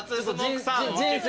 人生